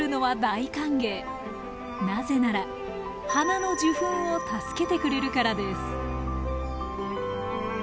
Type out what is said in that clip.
なぜなら花の受粉を助けてくれるからです。